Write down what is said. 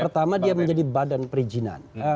pertama dia menjadi badan perizinan